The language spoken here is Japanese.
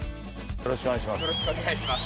よろしくお願いします。